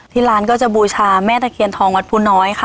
ที่ร้านก็จะบูชาแม่ตะเคียนทองวัดภูน้อยค่ะ